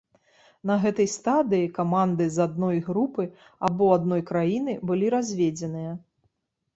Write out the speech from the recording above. На гэтай стадыі каманды з адной групы або адной краіны былі разведзеныя.